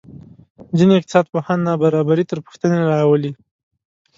ځینې اقتصادپوهان نابرابري تر پوښتنې راولي.